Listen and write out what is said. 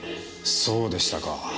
そうでしたか。